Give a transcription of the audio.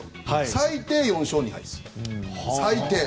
最低４勝２敗です、最低。